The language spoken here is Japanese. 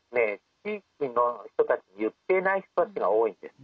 地域の人たちに言ってない人たちが多いんです。